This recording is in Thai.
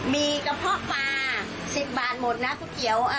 มีกระเพาะปลา๑๐บาทหมดนะก๋วยเตี๋ยว